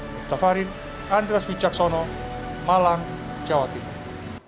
mustafa rin andres wicaksono malang jawa timur